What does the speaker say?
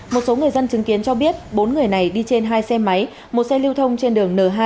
một số người dân chứng kiến cho biết bốn người này đi trên hai xe máy một xe lưu thông trên đường n hai